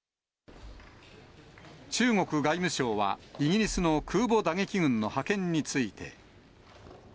中国外務省はイギリスの空母打撃群の派遣について。